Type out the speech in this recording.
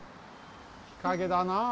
日陰だなあ。